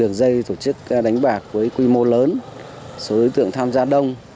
đường dây tổ chức đánh bạc với quy mô lớn số đối tượng tham gia đông